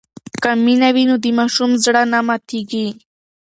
که مینه وي نو د ماشوم زړه نه ماتېږي.